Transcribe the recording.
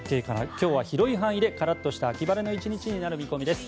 今日は広い範囲でカラッとした秋晴れの１日になる見込みです。